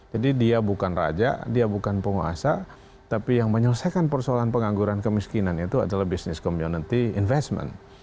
jadi dia bukan raja dia bukan penguasa tapi yang menyelesaikan persoalan pengangguran kemiskinan itu adalah business community investment